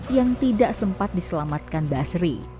yang tidak sempat diselamatkan basri